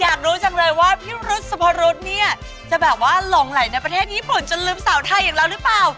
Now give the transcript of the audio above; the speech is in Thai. อยากรู้จังเลยว่าพี่รุษสุพรุษเนี่ยจะแบบว่าหลงไหลในประเทศญี่ปุ่นจนลืมสาวไทยอีกแล้วหรือเปล่า